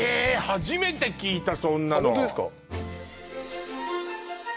初めて聞いたそんなのあっホントですか？